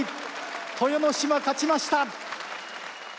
豊ノ島、勝ちました。